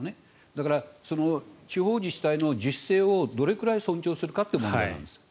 だから、地方自治体の自主性をどれくらい尊重するかという問題があるんです。